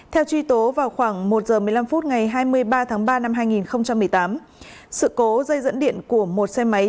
theo truy tố vào khoảng một h một mươi năm phút ngày hai mươi ba tháng ba năm hai nghìn một mươi tám sự cố dây dẫn điện của một xe máy